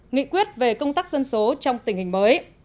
nghị quyết về công tác dân số trong tình hình mới